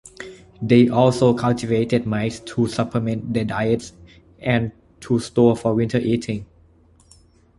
They also cultivated maize to supplement their diets and to store for winter eating.